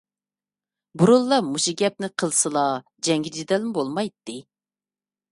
بۇرۇنلا مۇشۇ گەپنى قىلسىلا جەڭگى - جېدەلمۇ بولمايتتى.